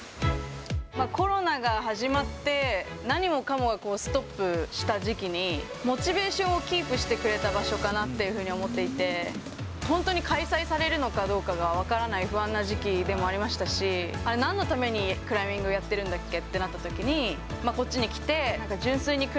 コロナが始まって、何もかもがストップした時期に、モチベーションをキープしてくれた場所かなって思っていて、本当に開催されるのかどうかが分からない不安な時期でもありましたし、あれ、なんのためにクライミングをやってるんだっけ？